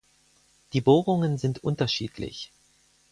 Die Bohrungen sind unterschiedlich.